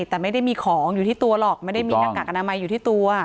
แต่ไม่ได้มีของอยู่ที่ตัวหรอกไม่ได้มีหน้ากากอนามัยอยู่ที่ตัว